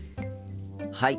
はい。